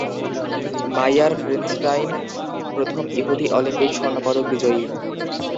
মাইয়ার প্রিন্সস্টাইন প্রথম ইহুদি অলিম্পিক স্বর্ণপদক বিজয়ী।